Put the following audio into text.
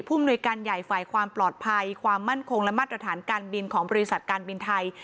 มนุยการใหญ่ฝ่ายความปลอดภัยความมั่นคงและมาตรฐานการบินของบริษัทการบินไทย